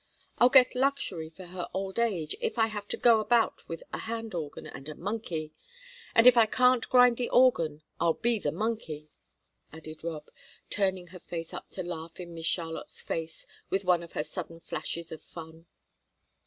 I'll get luxury for her old age if I have to go about with a hand organ and a monkey! And if I can't grind the organ, I'll be the monkey," added Rob, turning her face up to laugh in Miss Charlotte's face, with one of her sudden flashes of fun.